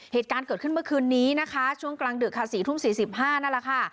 เหตุการณ์เกิดขึ้นเมื่อคืนนี้นะคะช่วงกลางดึกค่ะ๔ทุ่ม๔๕นั่นแหละค่ะ